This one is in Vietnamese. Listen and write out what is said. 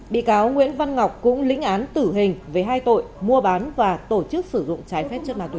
bị cáo nguyễn văn ngọc cũng lĩnh án tử hình về hai tội mua bán và tổ chức sử dụng trái phép chất ma túy